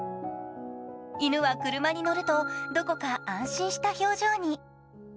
犬は車に乗ると、どこか安心した表情に。